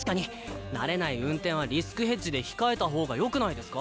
慣れない運転はリスクヘッジで控えた方がよくないですか？